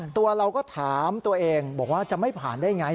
ตัวเราก็ถามตัวเองบอกว่าจะไม่ผ่านได้ไง